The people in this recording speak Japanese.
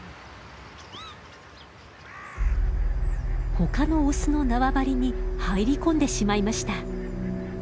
他のオスの縄張りに入り込んでしまいました。